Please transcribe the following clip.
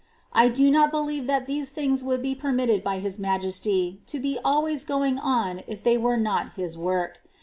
^ I do not believe that these things would have been permitted by His Majesty to be always going on if they were not His work.